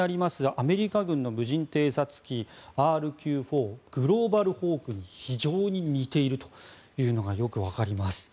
アメリカ軍の無人偵察機ＲＱ４グローバルホークに非常に似ているというのがよくわかります。